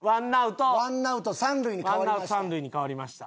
ワンアウト三塁に変わりました。